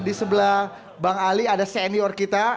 di sebelah bang ali ada senior kita